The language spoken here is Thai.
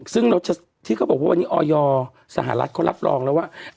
ซึ่งที่เขาบอกว่าวันนี้ออยสหรัฐเขารับรองแล้วว่า